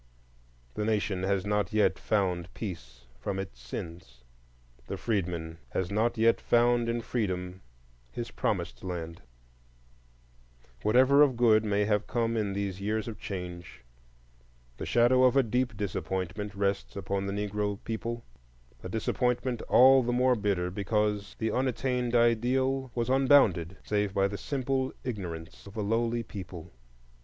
The Nation has not yet found peace from its sins; the freedman has not yet found in freedom his promised land. Whatever of good may have come in these years of change, the shadow of a deep disappointment rests upon the Negro people,—a disappointment all the more bitter because the unattained ideal was unbounded save by the simple ignorance of a lowly people.